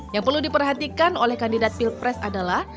yang perlu diperhatikan oleh kandidat pilpres adalah